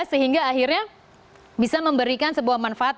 sehingga akhirnya bisa memberikan sebuah manfaat